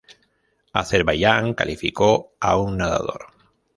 Azerbaiyán calificó a un nadador.